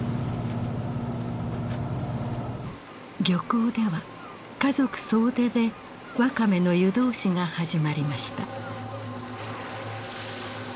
漁港では家族総出でワカメの湯通しが始まりました。